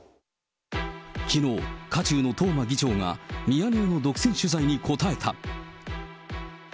きのう、渦中の東間議長が、ミヤネ屋の独占取材に答えた。